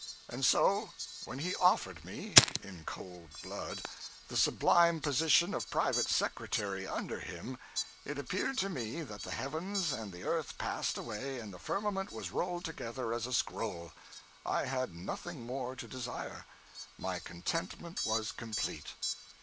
And so, when he offered me, in cold blood, the sublime position of private secretary under him, it appeared to me that the heavens and the earth passed away, and the firmament was rolled together as a scroll! I had nothing more to desire. My contentment was complete.